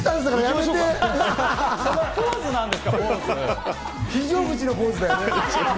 非常口のポーズだよね？